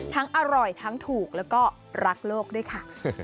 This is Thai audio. อร่อยทั้งถูกแล้วก็รักโลกด้วยค่ะ